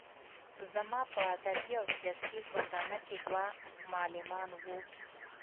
زما په ادبي او سياسي ژوندانه کې دوه معلمان وو.